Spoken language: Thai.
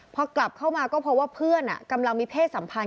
พอกลับเข้ามาก็พบว่าเพื่อนกำลังมีเพศสัมพันธ